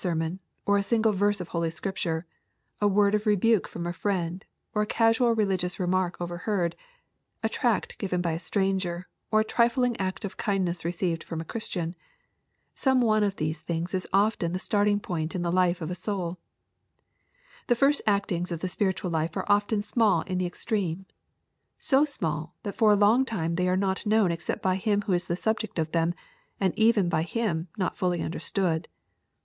127 d sermon, or a single verse of Holy Scripture, — a word of rebuke from a friend, or a cas'ial religious re mark overheard, — a tract given by a stranger, or a trifling act of kindness received from a Christian, — some one of these things is often the starting point in the life of a soul, — The first actings of the spiritual life are often small in the extreme, — so small, that for a long time they are not known except by him who is the subject of them, and even by him not fully understood.